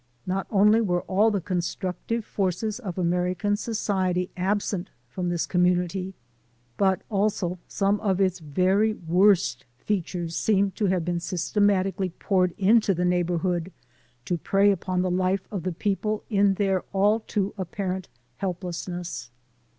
Not only were all the constructive forces of American society absent from this community, but also some of its very worst features seemed to have been systematically poured into the neighborhood to prey upon the life of the people in their all too apparent helplessness.